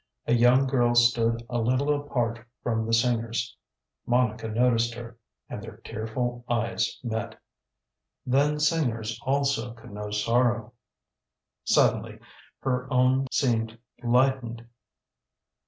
A young girl stood a little apart from the singers. Monica noticed her and their tearful eyes met. THEN singers also could know sorrow. SUDDENLY her own seemed lightened.